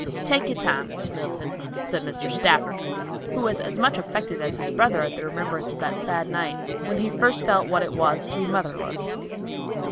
"Take your time, Mr. Middleton," said Mr. Stafford, who was as much affected as his brother at the remembrance of that sad night, when he first felt what it was to be motherless.